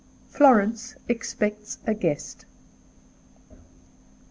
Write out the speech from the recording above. Florence expects a Guest.